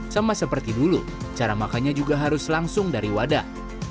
sama seperti dulu cara makannya juga harus langsung dari wadah